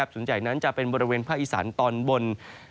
ส่วนใหญ่นั้นจะเป็นบริเวณพระอิสรรค์ตอนบน